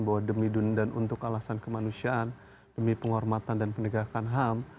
bahwa demi dundan untuk alasan kemanusiaan demi penghormatan dan penegakan ham